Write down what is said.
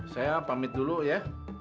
saya pamit dulu ya